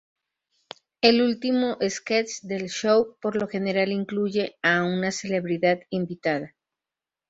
El último sketch del show por lo general incluye a una celebridad invitada.